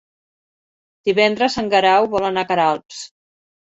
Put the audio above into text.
Divendres en Guerau vol anar a Queralbs.